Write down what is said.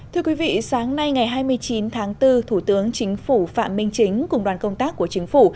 thưa quý vị sáng nay ngày hai mươi chín tháng bốn thủ tướng chính phủ phạm minh chính cùng đoàn công tác của chính phủ